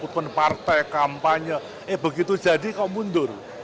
komitmen partai kampanye eh begitu jadi kau mundur